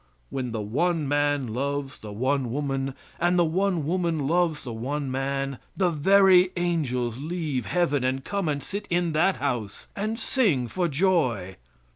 When the one man loves the one woman, and the one woman loves the one man, the very angels leave Heaven, and come and sit in that house, and sing for joy."